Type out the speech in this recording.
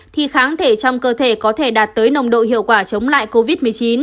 thì kháng thể trong cơ thể có thể đạt tới nồng độ hiệu quả chống lại covid một mươi chín